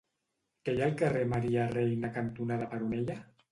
Què hi ha al carrer Maria Reina cantonada Peronella?